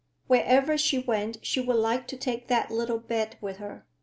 Wherever she went she would like to take that little bed with her.